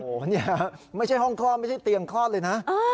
โอ้โหเนี่ยไม่ใช่ห้องคลอดไม่ใช่เตียงคลอดเลยนะ